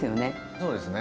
そうですね。